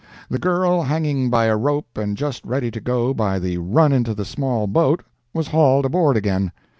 The girl hanging by a rope and just ready to go by the run into the small boat, was hauled aboard again.